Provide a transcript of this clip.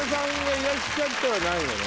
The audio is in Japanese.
いらっしゃってはないのね。